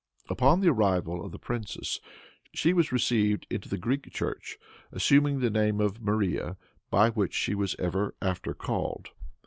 Upon the arrival of the princess, she was received into the Greek church, assuming the name of Maria, by which she was ever after called.